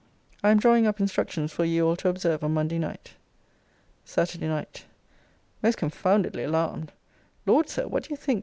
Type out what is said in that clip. I am drawing up instructions for ye all to observe on Monday night. SATURDAY NIGHT. Most confoundedly alarmed! Lord, Sir, what do you think?